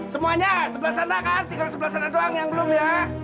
semuanya sebelah sana kan tinggal sebelah sana doang yang belum ya